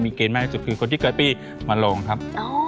เกณฑ์มากที่สุดคือคนที่เกิดปีมาลงครับ